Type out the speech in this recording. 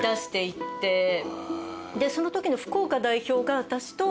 でそのときの福岡代表が私と。